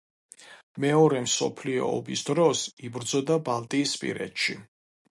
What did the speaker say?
მეორე მსოფლიო ომის დროს იბრძოდა ბალტიისპირეთში.